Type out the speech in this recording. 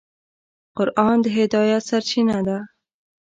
قرآن د هدایت سرچینه ده.